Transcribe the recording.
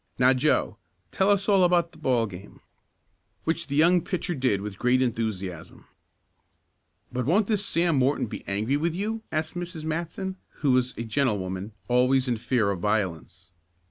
Now, Joe, tell us all about the ball game." Which the young pitcher did with great enthusiasm. "But won't this Sam Morton be angry with you?" asked Mrs. Matson, who was a gentle woman, always in fear of violence.